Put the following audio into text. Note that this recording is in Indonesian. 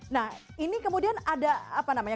nah ini kemudian ada apa namanya